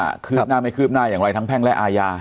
คืบหน้าไม่คืบหน้าอย่างไรทั้งแพ่งและอาญา